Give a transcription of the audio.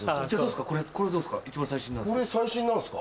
これどうすか？